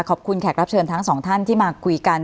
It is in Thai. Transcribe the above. แขกรับเชิญทั้งสองท่านที่มาคุยกัน